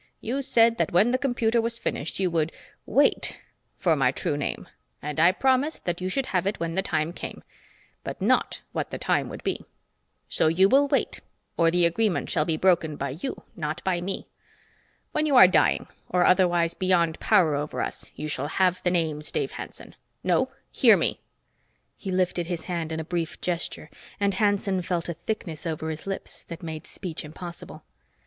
You said that when the computer was finished you would wait for my true name, and I promised that you should have it when the time came, but not what the time would be. So you will wait, or the agreement shall be broken by you, not by me. When you are dying or otherwise beyond power over us, you shall have the names, Dave Hanson. No, hear me!" He lifted his hand in a brief gesture and Hanson felt a thickness over his lips that made speech impossible.